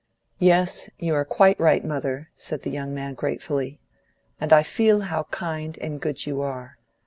"Yes, you are quite right, mother," said the young man gratefully, "and I feel how kind and good you are.